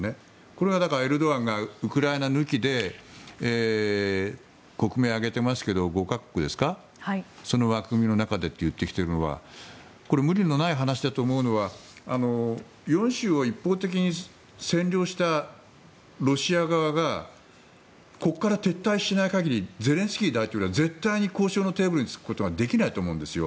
これはだからエルドアンがウクライナ抜きで国名を挙げていますが５か国ですかその枠組みの中でと言ってきているのはこれ、無理のない話だと思うのは４州を一方的に占領したロシア側がここから撤退しない限りゼレンスキー大統領は絶対に交渉のテーブルに着くことができないと思うんです。